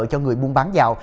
cho người buôn bán dạo